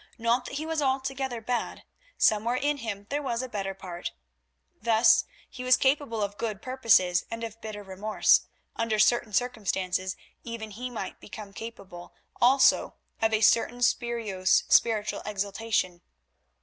Not that he was altogether bad; somewhere in him there was a better part. Thus: he was capable of good purposes and of bitter remorse; under certain circumstances even he might become capable also of a certain spurious spiritual exaltation.